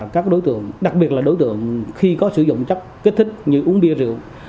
các đối tượng đặc biệt là đối tượng khi có sử dụng chất kích thích như uống bia rượu